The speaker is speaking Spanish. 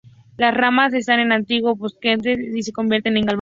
Las ramas están en ángulo, pubescentes y se convierten en glabras.